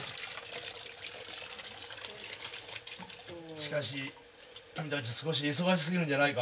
しかし君たち少し忙しすぎるんじゃないか？